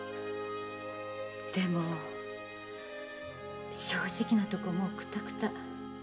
でも正直なところもうくたくた。